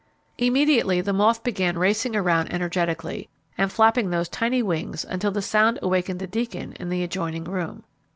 Immediately the moth began racing around energetically, and flapping those tiny wings until the sound awakened the Deacon in the adjoining room.